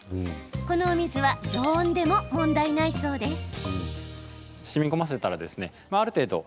このお水は常温でも問題ないそうです。